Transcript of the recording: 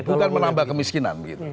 bukan menambah kemiskinan gitu